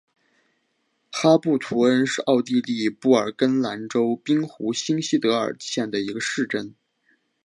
哈布图恩是奥地利布尔根兰州滨湖新锡德尔县的一个市镇。